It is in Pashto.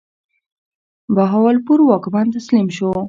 بهاولپور واکمن تسلیم شو.